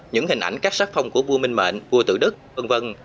những hình ảnh các sát phong của vua minh mệnh vua tự đức v v